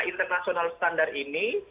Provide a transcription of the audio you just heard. internasional standar ini